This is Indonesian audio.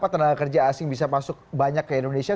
tenaga kerja asing bisa masuk banyak ke indonesia